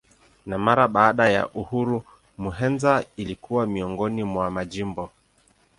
Na mara baada ya uhuru Muheza ilikuwa miongoni mwa majimbo.